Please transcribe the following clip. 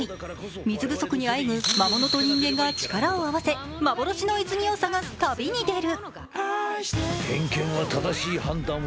水不足にあえぐ魔物と人間が力を合わせ幻の泉を探す旅に出る。